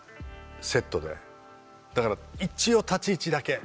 だから一応立ち位置だけ。